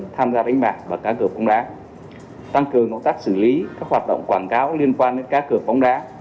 tăng cường công tác xử lý các hoạt động quảng cáo liên quan đến cắt cược bóng đá